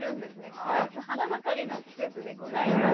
スポーツ花盛りの季節でございます。